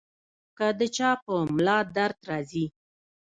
کۀ د چا پۀ ملا درد راځي -